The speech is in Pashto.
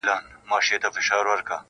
په هر ځای کي چي مي وغواړی حضور یم-